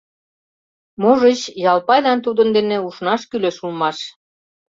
Можыч, Ялпайлан тудын дене ушнаш кӱлеш улмаш?